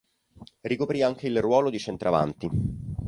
Ricoprì anche il ruolo di centravanti.